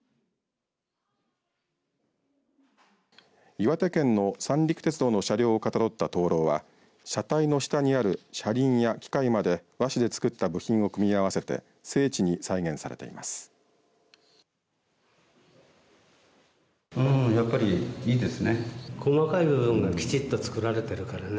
岩手県の三陸鉄道の車両をかたどった灯籠は車体の下にある車輪や機械まで和紙でつくった部品を組み合わせて精緻に再現されています。